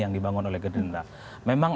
yang dibangun oleh green rock memang